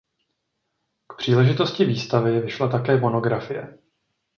K příležitosti výstavy vyšla také monografie.